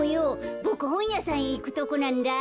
ボクほんやさんへいくとこなんだ。